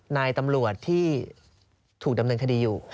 นายตำรวจที่ถูกดำเนินคดีอยู่